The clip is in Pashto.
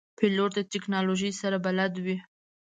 پیلوټ د تکنالوژۍ سره بلد وي.